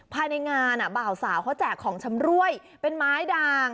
ภายในงานบ่าวสาวเขาแจกของชำรวยเป็นไม้ด่าง